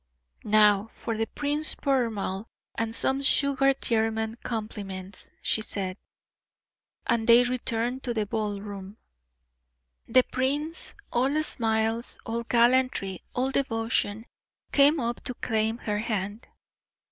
"Now for Prince Poermal and some sugared German compliments," she said. And they returned to the ball room. The prince, all smiles, all gallantry, all devotion, came up to claim her hand.